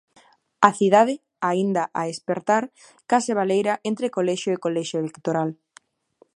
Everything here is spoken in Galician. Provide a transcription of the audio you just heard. A cidade, aínda a espertar, case baleira entre colexio e colexio electoral.